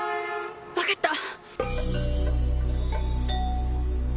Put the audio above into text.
わかった！